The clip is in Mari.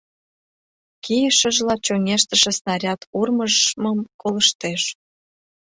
Кийышыжла чоҥештыше снаряд урмыжмым колыштеш.